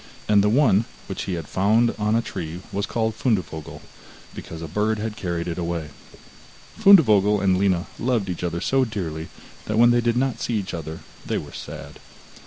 And the one, which he had found on a tree was called Fundevogel, because a bird had carried it away. Fundevogel and Lina loved each other so dearly that when they did not see each other they were sad.